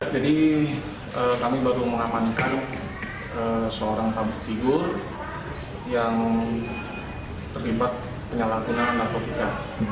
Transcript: jadi kami baru mengamankan seorang tabut figur yang terlibat penyalahgunaan narkotika